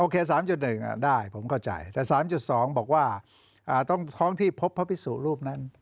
๓๑ได้ผมเข้าใจแต่๓๒บอกว่าท้องที่พบพระพิสุรูปนั้น